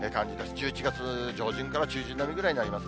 １１月上旬から中旬並みぐらいになります。